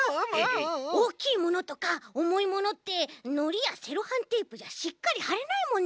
おおきいものとかおもいものってのりやセロハンテープじゃしっかりはれないもんね。